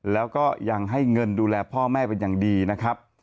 แล้วก็ยังให้เงินดูแลพ่อแม่เป็นอย่างดีนะครับ